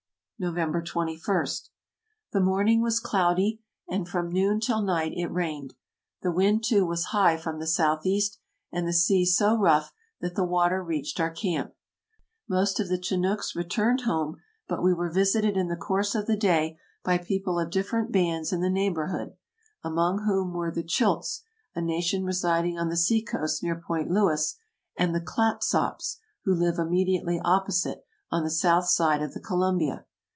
'■'■November 21. — The morning was cloudy, and from noon till night it rained. The wind, too, was high from the south east, and the sea so rough that the water reached our camp. Most of the Chinnooks returned home, but we were visited in the course of the day by people of different bands in the neighborhood, among whom were the Chiltz, a nation residing on the sea coast near Point Lewis, and the Clatsops, who live immediately opposite, on the south side of the Columbia.